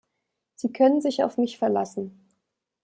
Sie können sich auf mich verlassen.